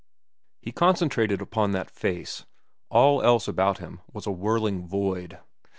He concentrated upon that face; all else about him was a whirling void.